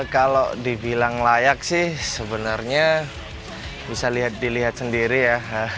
kalau dibilang layak sih sebenarnya bisa dilihat sendiri ya